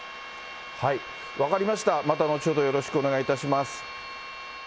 分かりました、また後ほど、よろしくお願いいたします。